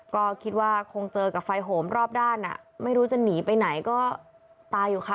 ก็คิดว่าคงเจอกับไฟโหมรอบด้านอ่ะไม่รู้จะหนีไปไหนก็ตายอยู่ค่ะ